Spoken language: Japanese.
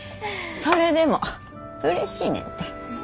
それでもうれしいねんて。